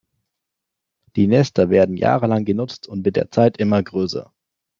Die Nester werden jahrelang genutzt und mit der Zeit immer größer.